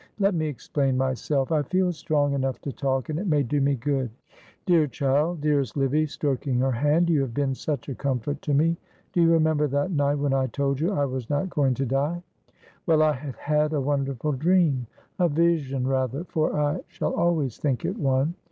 Let me explain myself; I feel strong enough to talk, and it may do me good. Dear child, dearest Livy," stroking her hand, "you have been such a comfort to me! Do you remember that night when I told you I was not going to die? Well, I had had a wonderful dream, a vision rather, for I shall always think it one.